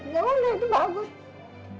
ya udah itu bagus